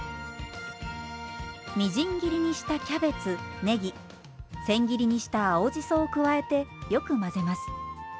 みじん切りにしたキャベツねぎ千切りにした青じそを加えてよく混ぜます。